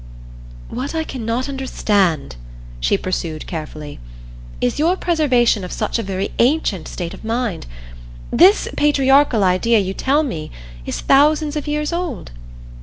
"What I cannot understand," she pursued carefully, "is your preservation of such a very ancient state of mind. This patriarchal idea you tell me is thousands of years old?"